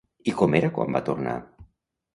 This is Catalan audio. I com era quan va tornar?